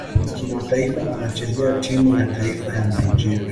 Kimataifa anachezea timu ya taifa Nigeria.